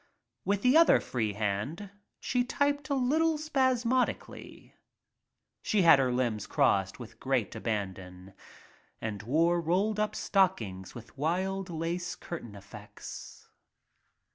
With the other free hand she typed a little spasmodically. She had her limbs crossed with great abandon and wore rolled up stockings with wild lace curtain effects.